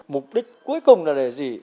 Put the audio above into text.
mục đích cuối cùng là để gì